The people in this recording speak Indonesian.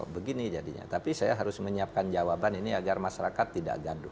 begini jadinya tapi saya harus menyiapkan jawaban ini agar masyarakat tidak gaduh